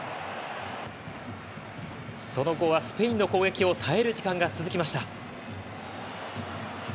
その後はスペインの攻撃を耐える時間が続きました。